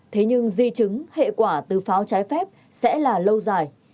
thế nhưng di chứng hệ quả từ pháo trái phép sẽ là lâu dài